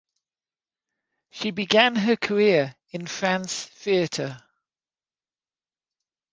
She began her career in France Theater.